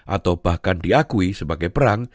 atau bahkan diakui sebagai perang